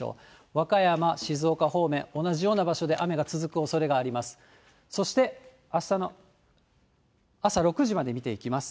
和歌山、静岡方面、同じような場所で雨が続くおそれがあります。